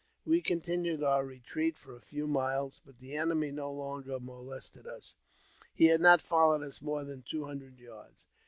We continued our retreat for a few miles, but the enemy no longer molested us ; he had not followed us more than two hundred yards.